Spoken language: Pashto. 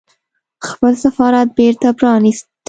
خپل سفارت بېرته پرانيست